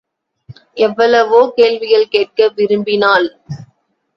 எவ்வளவோ கேள்விகள் கேட்க விரும்பினாள்.